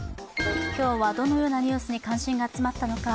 今日はどのようなニュースに関心が集まったのか。